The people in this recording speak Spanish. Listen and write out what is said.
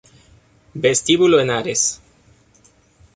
Vestíbulo Henares